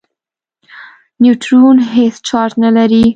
نیوټرون هېڅ چارج نه لري.